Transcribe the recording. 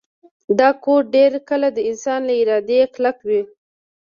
دا کوډ ډیر کله د انسان له ارادې کلک وي